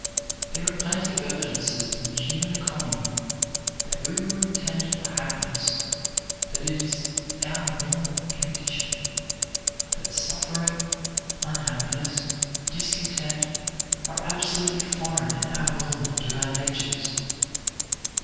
There are plenty of evidences in the human economy that we were intended for happiness, that it is our normal condition; that suffering, unhappiness, discontent, are absolutely foreign and abnormal to our natures.